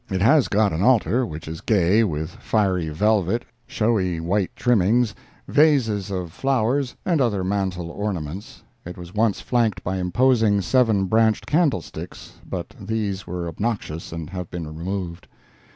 It has got an altar which is gay with fiery velvet, showy white trimmings, vases of flowers and other mantel ornaments. (It was once flanked by imposing, seven branched candlesticks, but these were obnoxious and have been removed.)